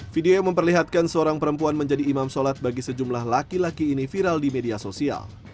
video yang memperlihatkan seorang perempuan menjadi imam sholat bagi sejumlah laki laki ini viral di media sosial